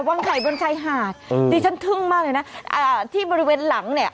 วังไข่บนชายหาดอืมดิฉันทึ่งมากเลยนะอ่าที่บริเวณหลังเนี่ย